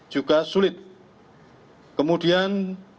juga sulit kemudian